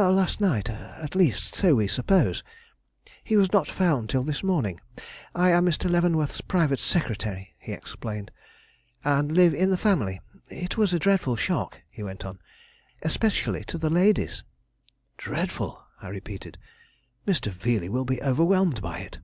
"Last night. At least, so we suppose. He was not found till this morning. I am Mr. Leavenworth's private secretary," he explained, "and live in the family. It was a dreadful shock," he went on, "especially to the ladies." "Dreadful!" I repeated. "Mr. Veeley will be overwhelmed by it."